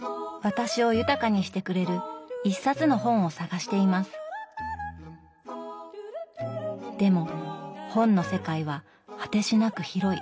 私を豊かにしてくれる一冊の本を探していますでも本の世界は果てしなく広い。